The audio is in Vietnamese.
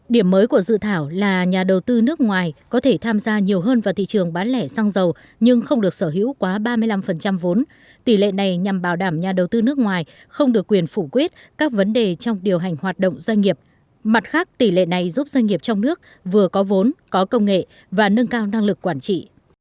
điểm mới của dự thảo là nhà đầu tư nước ngoài có thể tham gia nhiều hơn vào thị trường bán lẻ xăng dầu nhưng không được sở hữu quá ba mươi năm vốn tỷ lệ này nhằm bảo đảm nhà đầu tư nước ngoài không được quyền phủ quyết các vấn đề trong điều hành hoạt động doanh nghiệp mặt khác tỷ lệ này giúp doanh nghiệp trong nước vừa có vốn có công nghệ và nâng cao năng lực quản trị